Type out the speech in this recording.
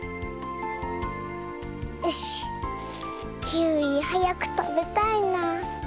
キウイはやくたべたいな。